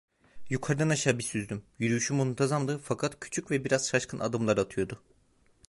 Yukarıdan aşağı bir süzdüm: Yürüyüşü muntazamdı, fakat küçük ve biraz şaşkın adımlar atıyordu.